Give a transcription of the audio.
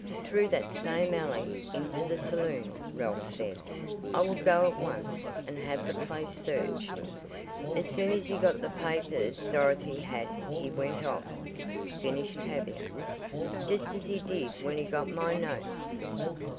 "Through that same alley into the saloon," Ralph said. "I will go at once, and have the place searched." "As soon as he got the papers Dorothy had he went off," finished Tavia, "just as he did when he got my notes."